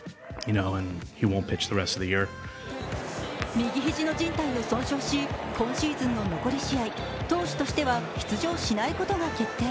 右肘のじん帯を損傷し、今季の残り試合、投手としては出場しないことが決定。